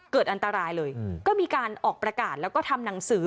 เกิดอันตรายเลยก็มีการออกประกาศแล้วก็ทำหนังสือ